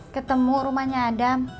ketemu rumahnya adam